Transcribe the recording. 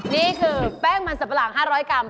นี้คือแป้งมันสัตว์ประหลาง๕๐๐กม